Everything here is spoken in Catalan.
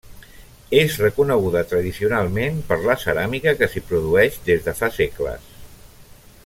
És reconeguda tradicionalment per la ceràmica que s'hi produeix des de fa segles.